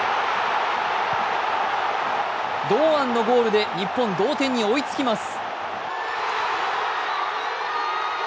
堂安のゴールで日本、同点に追いつきます。